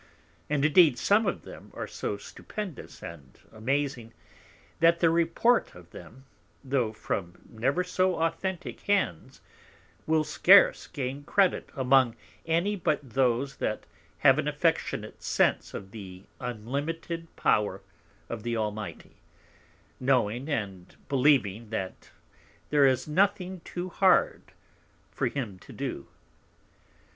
And indeed some of them are so stupendious and amazing, that the Report of them, though from never so authentick Hands, will scarce gain Credit among any but those that have an affectionate Sense of the unlimited Power of the Almighty, knowing and believing that there is nothing too hard for Him to do.